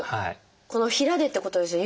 この平でってことですよね。